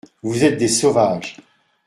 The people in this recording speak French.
Vous êtes des sauvages !